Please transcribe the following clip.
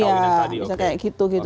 ya misalnya kayak gitu gitu